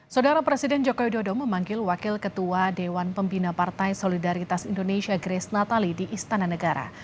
saudara presiden jokowi dodo memanggil wakil ketua dewan pembina partai solidaritas indonesia grace natali di istana negara